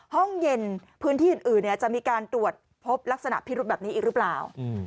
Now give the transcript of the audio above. ห้องเย็นพื้นที่อื่นจะมีการตรวจพบลักษณะพิรุธแบบนี้อีกหรือเปล่า